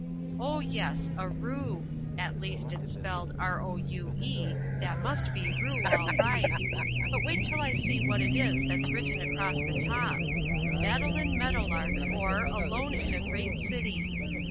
Ah, yes, a roo at least, it's spelt r o u e, that must be roo all right but wait till I see what that is that's written across the top MADELINE MEADOWLARK; OR, ALONE IN A GREAT CITY.